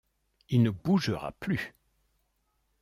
Il ne bougera plus !